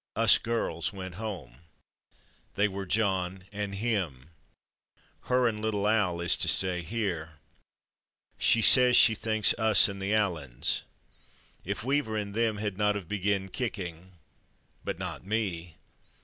/Us/ girls went home. They were John and /him/. /Her/ and little Al is to stay here. She says she thinks /us/ and the Allens. If Weaver and /them/ had not of begin kicking. But not /me